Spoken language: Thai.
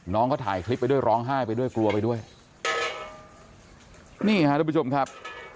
น้องเขาถ่ายคลิปไปด้วยร้องไห้ไปด้วยกลัวไปด้วยนี่ฮะทุกผู้ชมครับ